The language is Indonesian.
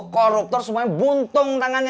koruptor semuanya buntung tangannya